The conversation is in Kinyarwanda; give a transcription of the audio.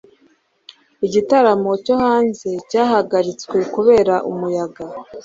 igitaramo cyo hanze cyahagaritswe kubera umuyaga